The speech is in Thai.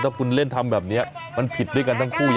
ถ้าคุณเล่นทำแบบนี้มันผิดด้วยกันทั้งคู่